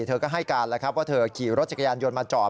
เธอก็ให้การแล้วครับว่าเธอขี่รถจักรยานยนต์มาจอด